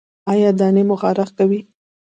ایا دانې مو خارښ کوي؟